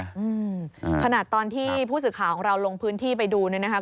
อืมอ่าขนาดตอนที่ผู้สื่อข่าวของเราลงพื้นที่ไปดูเนี่ยนะคะ